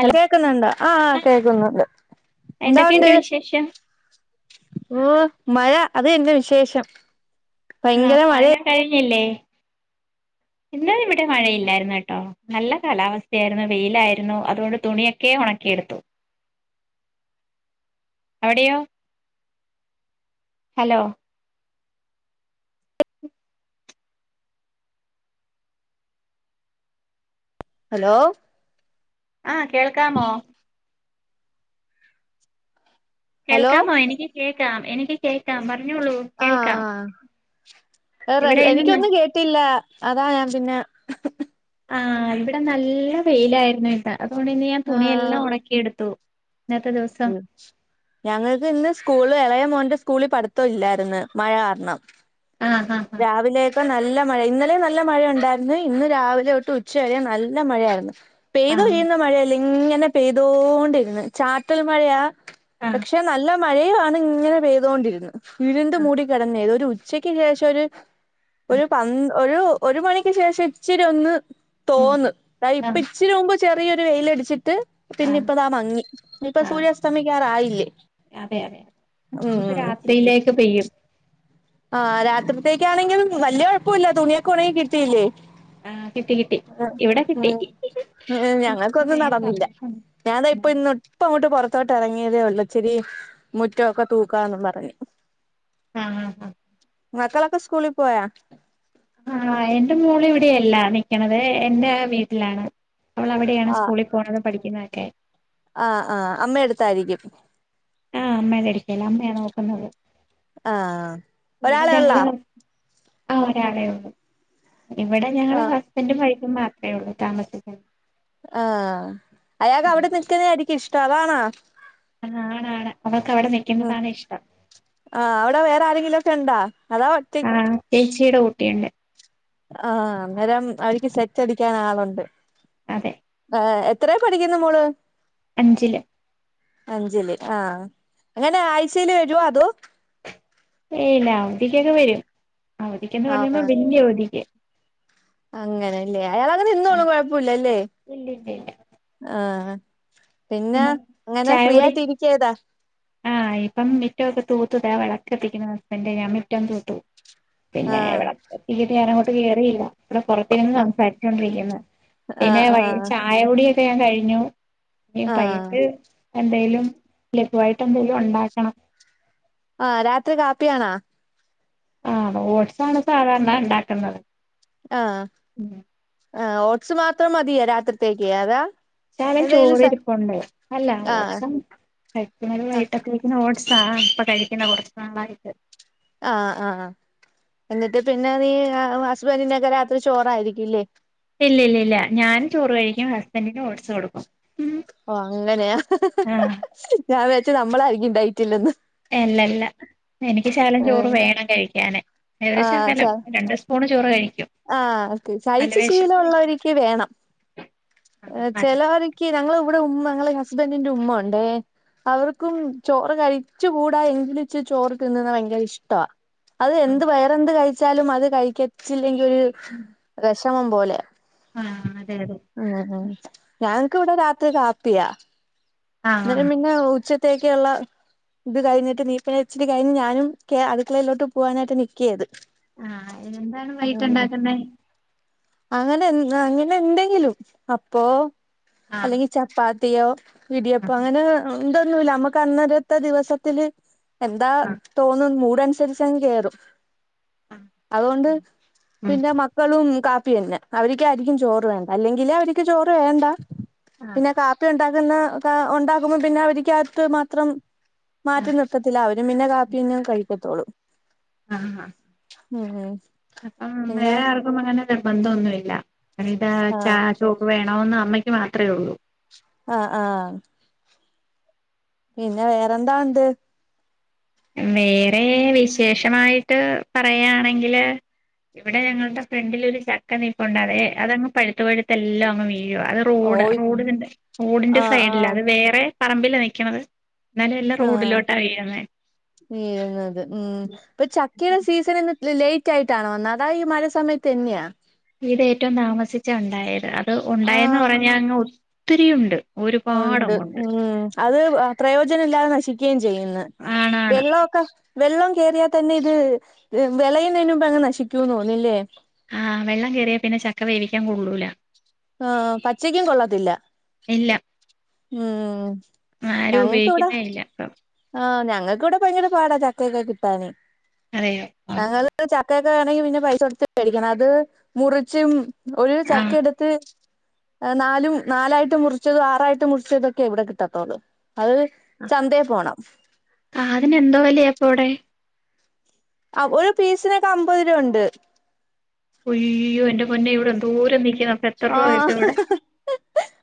Hello കേക്ക്ന്ന്ണ്ടോ ആ ആ ആഹ് കേക്ക്ന്നുണ്ട് ന്തോഉണ്ട് എന്തൊക്കെയുണ്ട് വിശേഷം ഓ മഴ അത്‌യെന്നെ വിശേഷം ആ മഴ കഴിഞ്ഞില്ലേ ഇന്നലെ ഇവിടെ മഴയില്ലായിരുന്നു കേട്ടോ നല്ല കാലാവസ്ഥയായിരുന്നു വെയിലായിരുന്നു അതുകൊണ്ട് തുണിയൊക്കെ ഒണക്കിയെടുത്തു അവിടെയോ ഹലോ ഹലോ ആ കേൾക്കാമോ ഹലോ കേൾക്കാമോ എനിക്ക് കേ ക്കാം എനിക്ക് കേക്കാം പറ ആ അ ഹ് ഇവിടെ റെസ് ഇന്ന് എനിക്കൊന്നും കേട്ടില്ല അതാ ഞാൻ പിന്നെ ആ ഇവിടെ നല്ല വെയിലായിരുന്നു ട്ടാ അതുകൊണ്ട് ഇന്ന് ഞാൻ തുണിയെല്ലാം ഒണക്കിയെടുത്തു ഉം ഞങ്ങൾക്ക് ഇന്ന് സ്കൂൾ എളയ മോ മോന്റെ സ്കൂളിൽ പഠിത്തം ഇല്ലായിര്ന്ന് മഴ കാരണം ആഹ് ആഹ് രാവിലെയൊക്കെ നല്ല മഴ ഇന്നലെയും നല്ല മഴയ ഉണ്ടായിരുന്നു ഇന്ന് രാവിലെ തൊട്ട് ഉച്ച വരെയും നല്ല മഴയായിരുന്നു പെയ്തു ആഹ് ഒഴിയുന്ന മഴയല്ലേ ഇങ്ങനെ പെയ്തോണ്ടിരിന്ന് ചാറ്റൽ മഴയാ ആഹ് പക്ഷെ നല്ല മഴയും ആണ് ഇങ്ങെ പെയ്തുകൊണ്ടിര്ന്ന് ഇരുണ്ട് മൂടി കിടന്നഏതൊ ഒരു ഉച്ചക്ക് ശേഷം ഒരു ആഹ് ഒരു പ ഒരു ഒരു മണിക്ക് ശേഷം ഇച്ചിരി ഒന്ന് തോർന്ന് ദാ ആഹ് ഇപ്പ ആഹ് ഇച്ചിരി മുമ്പ് ചെറിയൊ വെയിൽ അടിച്ചട്ട് ് ആഹ് പിന്നെ ആഹ് ഇപ്പതാ മങ്ങി ഇന്ന്പ്പം ആഹ് സൂര്യസ്റ്റാതമിക റയിലെ അതെ അതെതെ ഇനിയിപ്പോ രാത്രിയിലേക്ക് പെയ്യും ആ രാത്രിത്തേക്കാണെങ്കിലും വല്ിയ കുഴപ്പമില്ല തുണിയൊക്കെ ഉണെങ് കിട്ടിയില്ലേ ആഹ കിട്ടി കിട്ടി ഇവിടെ കിട്ടി ആഹ് ഉം ഞങ്ങക്കൊന്നും ഭയങ്കര നടന്നില്ല സന്തോഷ ത്തോട്ട് ഇറങ്ങിയതേ ഉള്ള ഇച്ചിരി മുറ്റമൊക്കെ തൂക്കാന്ന് പറഞ്ഞ് ആഹ ഹഹ് ഹഹ മക്കളൊക്കെ സ്കൂളിൽ പോയ ആഹ എന്റെ മോള് ഇവിടെയല്ല നിക്കണത് എന്റെ വീട്ടിലാണ് അവൾ അവിടെയാണ് ആഹ് സ്കൂളിൽ പോണുന്നത് പഠിക്കുന്നതൊക്കെ ആഹ് ആഹ് അമ്മയടുത്തായിരിക്കും ആഹ് അമ്മ കടിക്കല്ല അമ്മയാണ് നോക്കുന്നത് ആഹ ഒരാള ഉള്ള ആഹ ഒരാളേ ഉള്ളു ഇവിടെ ഞങ്ങള് ആഹ് ഹസ്ബൻറും മാത്ര എ താമസിക്ക ആ അയാക അവിടെ നിൽക്കുന്ന ആയി ഇഷ്ടാലാാണ് ആണ ആട ഉ ആ അവിടെ വേറെ ആരെങ്കിലും ചണ്ടാ ആഹ ച്ചീട പിന്നെ ആഹ അന്നേരം അവർക്ക് സെറ്റ് അടിക്കാൻ ആളുണ്ട് അതെ ആഹ് എ എത്രയി പഠിക്കുന്നു മോള് അഞ്ചില് അഞ്ചില് ആഹ് അങ്ങനെ ആഴ്ചയില് വരുവോ അതോ ഏല്ല അവധിക്കൊക്കെ വരും ആ അവധിക്കെന്ന് പറഞ്ഞുമ്പോ ആഹ് വലിയ അവതിക്ക് അങ്ങനെല്ലേ അയാൾങ്ങനെ നിന്നോള്ളും കുഴപ്പില്ലല്ലേ ഇല്ലില്ലില്ല ആഹ് പിന്നെ അങ്ങനെ ഫ്രീ ചായകുടി ആയിട്ട് ഇരിക്ക താ ആഹ് ഇപ്പം മിറ്റ ഒക്കെ തൂത്തുതാ വിളക്ക് കത്തിക്കുന്ന ഹസ്ബൻഡ് ഞാൻ മിറ്റം തൂത്തു പിന്നെ ആഹ് ഇവിടെ [unintelligible] ട്ട് കേറിയില്ല ഇവിടെ പുറത്തിന്ന് ആഹ് സംസാരിച്ചൊണ്ടിരിക്കുന്നു പിന്നെ ആഹ് ആഹ് ചായകുടിയൊക്കെ ഞാൻ കഴ നു ഏ ആഹ് പയ്യക്ക് എന്തായാലും ലെ [unintelligible] വായിട്ടെന്തെങ്കിലും ഉണ്ടാക്കണം ആ രാത്രി കാപ്പിയാണാ ആ തെ ഓട്‌സാണ് സാധാര ണെണ്ടാക്കുന്നത് ആ ആ ഓട്സ് മാത്രം മതിയേ രാത്രിത്തേക്ക് അതാ ശകലം എന്തെങ്കിലും സ ചോറിരിപ്പുണ്ട് അല്ല ആഹ് ഓട്സും കഴ്ക്ക്ണോല് ആഹ് വൈകിട്ടൊക്കെ വെക്ക്ന്ന ഓട്സ് ആ ഇപ്പൊ കഴിക്കുന്ന കൊറച്ച് നാളായിട്ട് ആ ആ എന്നിട്ട് പിന്നെ നീ ഹസ്ബൻഡിനൊക്കെ രാത്രി ചോറായിരിക്കില്ലേ ഇല്ലല്ല ല്ല ഞാൻ ചോറ് കഴിക്കും ഹസ്ബൻഡ്ന് ഓട്സ് കൊടുക്കും ഓ അങ്ങനെ ആഹ് ഞാ വിചാര് ച്ച് നമ്മളായിരിക്കും ഡയറ്റിൽനിന്ന് ഏ അല്ലല്ല എനിക്ക് ശകലം ചോറ് ആഹ് വേണം കഴിക്കാന് ഒരു ശകലം രണ്ട് സ്പൂണ് ചോറ് കഴി ആ [unintelligible] കഴിച്ചു നിക്കും ശീലൊള്ളവര്ക്ക് വേണം ആഹ് അതെ ചെലോര്ക്ക് ഞങ്ങളെ ക്കൂടെ ഉമ്മ ഞങ്ങളെ ഹസ്ബൻഡിന്റെ ഉമ്മ ഉണ്ടേ അവര്ക്കും ചോറ് കഴിച്ചു കൂടാ എങ്കിലും ച്ച് ചോറ് തിന്ന്ന്നെ ഭയങ്കര ഇഷ്ടാ അത് ആഹ് എന്ത് വയറെന്ത് കഴി ച്ചാലും അത് കഴിക ചിൽ [unintelligible] [unintelligible] പോലെ ആഹ് അതെ അതെ ഉം ഉ [unintelligible] ഞാൻക്ക് ഇവിടെ രാത്രി കാപ്പിയാ ആഹ് മ മന്ന ഉച്ചി ത്തേക്കുള്ള ഇത് കഴിഞ്ഞിട്ട് നീക്കണച്ചി് കഴിഞ്ഞ് ഞാനും അടുക്കളയിലോട്ട് പോകാനായിട്ട് നൽക്കിയത് ആഹ് അെന്താണ് വൈകിട്ടുണ്ടാക്കുന്നത് അങ്ങനെ അങ്ങനെ എന്തെങ്കിലും അപ്പോൊ ആഹ് അല്ലെങ്കിൽ ചപ്പാതി ത്തിയ ഇിയ അപ്പൊ ആഹ് അങ്ങനെ എന്തൊന്നുമില്ല നമ്മക്ക് അന്നരത്തെ ദിവസത്തില് എന്താ ആഹ് തോന്നുന്നു മൂ അസരിച്ച കയറ [unintelligible] ആഹ് അതുകൊണ്ട് ഉം പിന്നെ മക്കളും കാപ്പി തന്നെ അവർക്ക്ായിരിക്കും ചോറ് വേണ്ട അല്ലെങ്കില് അവർക്ക് ചോറ് വേണ്ട ആഹ് പിന്നെ കാപ്പി ഉണ്ടാക്ക അന്ന [unintelligible] ഉണ്ടാക്കുമ്പോ പിന്നെ അവക്ക് അകത്ത് മാത്രം മാറ്റം നർത്തത്തി അവ പി പിന്നെ കാപ്പി ഒന്നും കഴിക്കത്തോളൂ ആഹ ആഹ് ഉം ഉ [unintelligible] വേറെ ആർക്കും അങ്ങനെ നിർബന്ധ ഒന്നുമല്ല അ ഇതാ ചാ ആഹ് ചോക്ക് വേണന്ന് അമ്മ മാത്രമേ ഉള്ളൂ ആഹ ആഹ പിന്നെ വേറെന്താ ഉണ്ട് വേറെ വിശേഷമായിട്ട് പറയായാണെങ്കില് ഇവിടെ ഞങ്ങളുടെ ഫ്രണ്ടിലൊ ഒരു ചക്ക നീപ്പുണ്ട് അതെ അതങ്ങ് പഴുത്തു പഴുത്തെല്ലാം അങ്ങ് വീ അയ്യോ അത് റോഡ ഓയ് റോഡന്റെ റോഡിന്റെ ആഹ് സൈഡല്ല ആഹ് അത് വേറെ പറമ്പില നിക്കണത് എന്നാലല്ല റോഡിലോട്ടാണ് ആയ്യന്ന നീരുന്നത് ഉ ഇപ്പൊ ചക്കയുടെ സീസൺ ലേറ്റ് ആയിട്ടാണ് വന്നത് അതായ ഈ മഴ സമയത്ത് തന്നെയാ ഇത് ഏറ്റവും താമസിച്ച ഉണ്ടായരുന്നു അത് ഉണ്ടായന്ന് ആഹ് പറഞ്ഞാ അങ്ങ് ഒത്തിരിയുണ്ട് ഉണ്ട് ഒരുപാടങ്ങുണ്ട് ഉം അത് വാ പ്രയോജനല്ലാതെ നശിക്കുകയും ചെയ്യുന്ന് ആണാണ് വെള്ളൊക്കെ വെള്ളം കെറിയാൽ തന്നെ ഇത് വിളയുംന്നതിന് മുമ്പ് അങ്ങ് നശിക്കൂന്ന് തോന്നില്ലേ ആഹ് വെള്ളം കെറിയാ പിന്നെ ചക്ക വേവിക്കാൻ കൊള്ളൂല. ആ പച്ചക്കും കൊള്ളത്തില്ല ഇല്ല ഉം ആരും ഞങ്ങക്ക് ഇവിടെ ഉപയോഗിക്കുന്നേ ഇല്ല ഇപ്പം ആ ഞ ഞങ്ങക്ക് വിടെ ഭയങ്കര പാടാ ചക്കയൊക്കെ കിട്ടാൻ അരയോ ആ [unintelligible] ആണെങ്കിൽ പിന്നെ പൈസ കൊടുത്ത് മേടിക്കണം അത് മുറിച്ചും ഒരു ചക്ക ആഹ് എടു നാലും നാലായിട്ട് മുറിച്ചതും ആറായിട്ട് മുറിച്ചതൊക്കെ ഇവിടെ കിട്ടത്തോള്ളൂ. ആ ആ അതിനെന്തോ വിലയാ അപ്പം വിടെ? ആ ഒരു പീസിനൊക്കെ അമ്പത് രൂപ ഇണ്ട്. ഒയ്യോ എന്റെപൊന്നെ ഇവിടെ എന്തോരം നെ ആ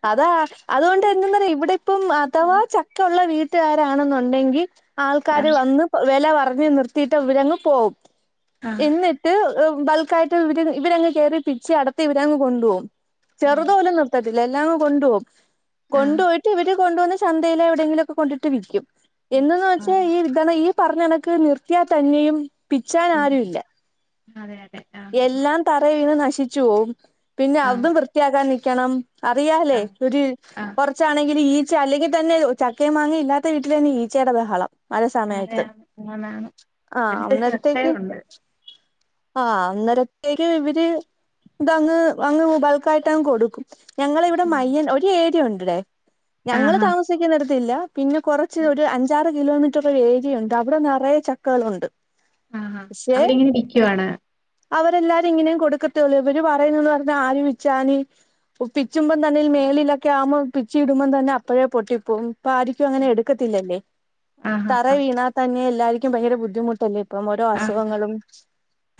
അതാ അതുകൊണ്ട് എന്താന്നറിയുവോ ഇവിടെ ഇപ്പം അഥവാ ചക്ക ഉള്ള വീ ട്ട് കരാണെന്നുണ്ടെങ്കിൽ ആൾക്കാര് ആഹ് വന്ന് വെല പറഞ് നിർത്തിയിട്ട് ഇവരങ്ങ് പോവും. ആഹ് എന്നിട്ട് ങ് ബൾക്കായിട്ട് ഇവ ഇവരങ് കേറി പിച്ച് അടത്തി ഇവരങ്ങ് കൊണ്ടു പോകും. ഉം ചെറുതു പോലും നിർത്ത ല്ല ലെല്ലാം കൊണ്ടുപോകും. കൊണ്ടു ആഹ് പോയിട്ട് ഇവര് കൊണ്ടുവന്ന് ചന്തയില് എവിടെങ്കിലൊക്കെ കൊണ്ടിട്ട് വിൽക്കും. എന്ത്ന്ന് നിക്കും വെച്ചാ ആഹ് ഈ [unintelligible] പറഞ്ഞ കണക്ക് നിർത്തിയ തന്നെയും പിച്ചാൻ ഉം ആരു ഇല്ല. അതെ അതെ ആഹ് എല്ലാം തറയി വീണു നശി ശിച്ചുപോകും പിന്നെ അതും വൃത്തിയാക്കാനി ക്യണം അറിയാല്ലേ ആഹ് ഒരു ആഹ് കൊറച്ചാണെങ്കിൽ ഈ ച്ച അല്ലെങ്കിൽ തന്നെ ചക്കയും മാങ്ങയും ഇല്ലാത്ത വീട്ടിൽ തന്നെ ഈച്ചയുടെ ബഹളം. അതെ മഴസമയത്ത് ആന്നാന്ന് ആ ഒരു സൈസ് അന്നേരത്തേക്ക് വട്ടയുണ്ട് ആഹ് അന്നേരത്തേക്ക് ഇവര് ഇതങ്ങ് അങ്ങ് ബൾക്കായിട്ടങ്ങ് കൊടുക്കും. ഞങ്ങള് ഇവിടെ ഉം മയ്യൻ ഒരു ഏരിയ ഉണ്ട്. ബ്ളേ ഞങ്ങള് ആഹാ താമസിക്കുന്ന എട് ത്ത്ല്ല പിന്നെ കൊറച്ച് ഒരു അഞ്ചാറ് കിലോമീറ്റർ ഒരു ഏരിയുണ്ട് അവിടെ നിറയെ ചക്കകളുണ്ട്. ആ ഹാ പക്ഷെ അവരിങ്ങനെ ഇരിക്കുവാണ്. അവരെല്ലാരും ഇങ്ങനെയും കൊടുക്കത്തേള്ളൂ ഇവര് പറയുന്നത് പറഞ്ഞ ആര് വിച്ചാന് പിച്ചുമ്പം തന്നെ മേലിലൊക്കെ ആവുമ്പോ പിച്ചി ഇടുമ്പോം തന്നെ അപ്പോഴേ പൊട്ടിപ്പോകും. അപ്പൊ ആരിക്കും അങ്ങനെ എടുക്കത്തില്ലല്ലേ. ആഹാ തറേ ആഹ് വീണാ തന്നെ എല്ലാരിക്കും ഭയങ്കര ബുദ്ധിമുട്ടല്ലേ. ഇപ്പം ഓരോ ആഹ് അസുഖങ്ങളും.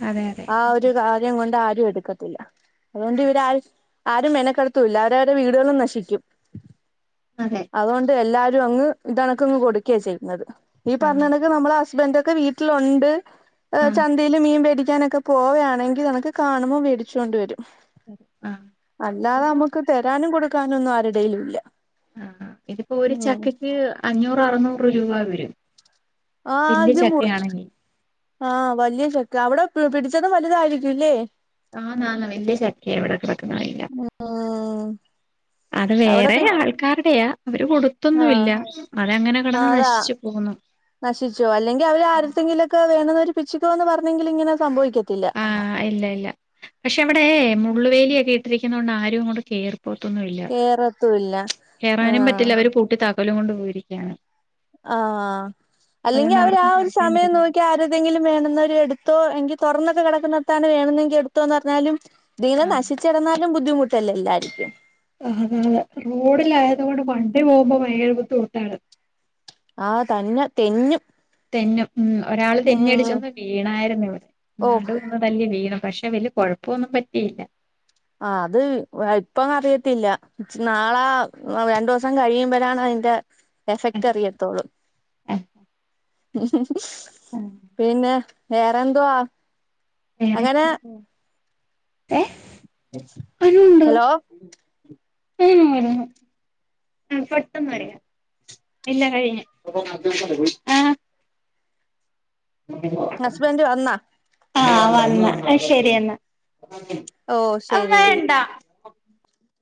അതെ അതെ ആ ഒരു കാര്യം കൊണ്ട് ആ രുംഎടുക്കത്തില്ല. അതൊണ്ട് ഇവിരാ ആരും മേനക്കടത്തൂല്ല. അവരവരുടെ വീടുകളും നശിക്കും. അതെ അതുകൊണ്ട് എല്ലാ അങ്ങ് ഇതണക്കങ്ങ് കൊടുക്കയാ ചെയ്യുന്നത്. ഈ ആഹ് പറഞ്ഞണക്ക് നമ്മള ഹസ്ബൻഡ് ഒക്കെ വീട്ടിലൊണ്ട്. ആ ആഹ് ചന്തയില് മീൻ ബേടി ഒക്കെ പോവുകയാണെങ്കിൽ എനക്ക് കാണുമ്പം മേടിച്ചൊണ്ട് വരും- ആഹ് അല്ലാതെ ഇതിപ്പം നമുക്ക് തരാനും, കൊടുക്കാനും ഒന്നും ആര് ഇല്ല- ആ ഇതിപ്പോ ഒരു ഉം ചക്കയ്ക്ക് അഞ്ഞൂറ് അറുന്നൂറ് രൂപ വരും. ആ വല്യ അദ്യ മുറിച്ചു. ചക്കയാണെങ്കി ആ വലിയ ചക്ക അവിടെ. പിടിച്ചതും വലുതായിരിക്കുല്ലേ? ആന്ന് ആന്ന് വല്യ ചക്കയാ ഇവടെ കിട [unintelligible] ഉം അത് അവിടെ വേറെ പി ആൾക്കാരുടെയാ, അവര് കൊടുത്തൊന്നു ഇല്ല, ആഹ് അത് അങ്ങനെ കിടന്നു ആഹ് അതാ നശിച്ചു പോവുന്നു. നശിച്ചോ അല്ലെങ്കിൽ അവര് ആരത്തെങ്കിലൊക്കെ വേണന്നവര് പിച്ചിക്കോന്ന് പറഞ്ഞെങ്കില് ഇങ്ങനെ സംഭവിക്കെ ആ ഇല്ല ഇല്ല പക്ഷെ അവിടെ മുള്ള് വേലിയക്കെ ഇ ഉപയോഗിക്കുന്നത് കൊണ്ട് ആരും അങ്ങോട്ട് കേറുന്നില്ല പുറത്തൊന്നുമില്ല. കേറത്തുല്ല കേയറാനും ആഹ് പറ്റില്ല അവര് പൂട്ടി താക്കോല് താക്കോലും കൊണ്ട് പോയിരിക്കയാണ്. ആ അല്ലെങ്കിൽ അതുകൊണ്ട് അവർ ആ ആർക്കും ഒരു പറിക്കാൻ സമയം പറ്റത്തില്ല നോക്കി ആരെതെങ്കിലും വേണെന്നൊരു എടുത്തോ എങ്കിൽ തുറന്ന കിടക്കുന്നതെടുത്താണ് വേണതെങ്കിൽ എടുത്തോന്ന് പറഞ്ഞാലും. ദീന നശിച്ചിടന്നാലും ബുദ്ധിമുട്ട്. തെല്ലാ എല്ലായിരിക്കും. അ അതെ റോഡിലായത്തോടു. പണ്ടേ പോകുമ്പോ ഭയങ്കര ബുദ്ധിമുട്ടാണ്. ആഹ് തന്നെ തെന്നും. തെന്നും. ഉം ഒരാള് ഉം തെന്നിയടിച്ചൊന്ന് വീണായിരുന്നു ഇവിടെ. ഓഹ് നടു ഒന്ന് തല്ലി വീണു. പഷേ വല്യ കൊഴപ്പൊന്നും പറ്റിയില്ല ആഹ് അത് ഇപ്പൊ എ അറിയത്തില്ല ച് നാളാ രണ്ടോസം കഴിയുമ്പയാണ് അയിന്റെ എഫക്റ്റ് അറിയത്തൊള്ളു ആഹ് ഉം ഉം ആഹ് പിന്നെ വേറെന്തുവാ വേറെ അങ്ങനെ ഏഹ് ഹലോ ആഹ് പെട്ടെന്ന് ഒരുങ്ങാ ഇല്ല കഴിഞ് ആഹ് ഹസ്ബൻഡ് വന്നാ ആഹ് വന്ന് ശരിയെന്നാ ഓഹ് അമ്മേ ശരി ന്ണ്ടാ